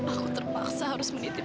aku terpaksa harus menitip